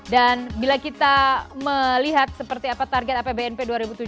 dan bila kita melihat seperti apa target apbnp dua ribu tujuh belas